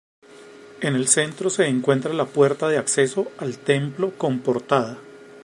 En el centro se encuentra la puerta de acceso al templo con portada.